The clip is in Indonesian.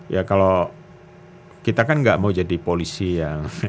ya kalau kita kan gak mau jadi polisi yang